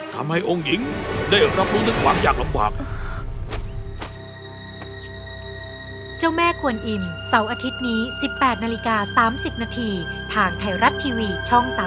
ทำให้องค์หญิงได้รับรู้นึงขวางอย่างลำบาก